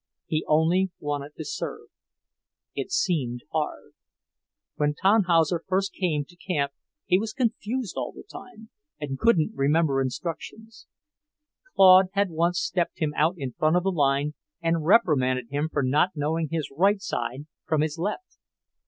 He only wanted to serve. It seemed hard. When Tannhauser first came to camp he was confused all the time, and couldn't remember instructions. Claude had once stepped him out in front of the line and reprimanded him for not knowing his right side from his left.